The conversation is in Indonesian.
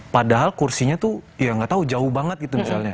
padahal kursinya tuh ya nggak tahu jauh banget gitu misalnya